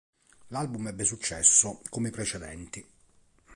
L'album ebbe successo, come i precedenti.